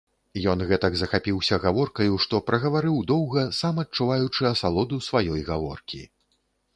Ён гэтак захапіўся гаворкаю, што прагаварыў доўга, сам адчуваючы асалоду сваёй гаворкі.